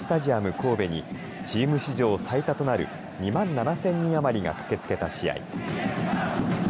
神戸にチーム史上最多となる２万７０００人あまりが駆けつけた試合。